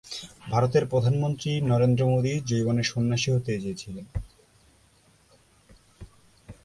ভারতের প্রধানমন্ত্রী নরেন্দ্র মোদী যৌবনে সন্ন্যাসী হতে চেয়েছিলেন।